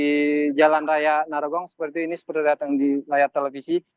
di jalan raya narogong seperti ini seperti datang di layar televisi